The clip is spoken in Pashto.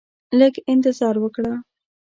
لږ انتظار وکړه